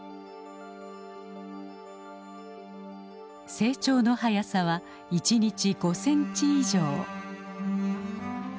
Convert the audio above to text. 成長の速さは１日５センチ以上。